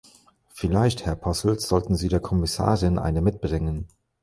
Vielleicht, Herr Posselt, sollten Sie der Kommissarin eine mitbringen.